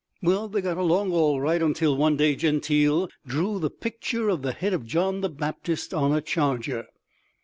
Well, they got along all right, until one day Gentile drew the picture of the head of John the Baptist on a charger.